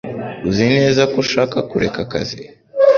Uzi neza ko ushaka kureka akazi?